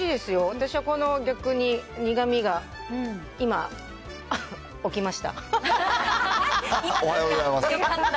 私はこの逆おはようございます。